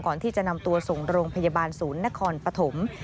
ก่อนที่จะนำตัวส่งโรงพยาบาลศูนย์นครปฐม